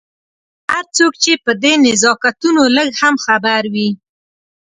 هر څوک چې په دې نزاکتونو لږ هم خبر وي.